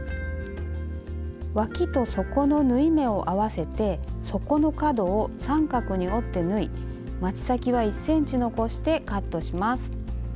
わきと底の縫い目を合わせて底の角を三角に折って縫いまち先は１ｃｍ残してカットします。